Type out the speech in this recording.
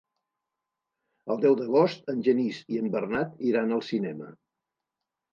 El deu d'agost en Genís i en Bernat iran al cinema.